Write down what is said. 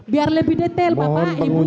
biar lebih detail bapak ibu